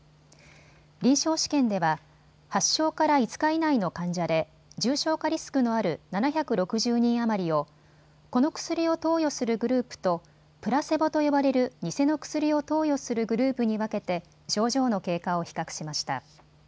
臨床試験では発症から５日以内の患者で重症化リスクのある７６０人余りをこの薬を投与するグループとプラセボと呼ばれる偽の薬を投与するグループに分けて症状の経過を比較しました。